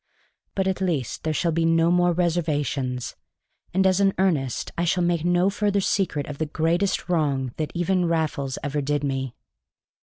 But at least there shall be no more reservations, and as an earnest I shall make no further secret of the greatest wrong that even Raffles ever did me.